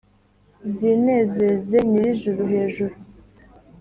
Zinezeze Nyirijuru hejuru